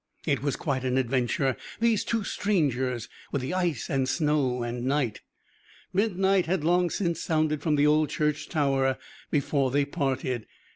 It was quite an adventure these two strangers with the ice and snow and night! Midnight had long since sounded from the old church tower before they parted.